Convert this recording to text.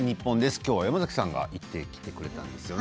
今日は山崎さんが行ってきてくれたんですよね。